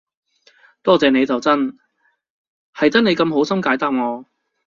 多謝你就真，係得你咁好心解答我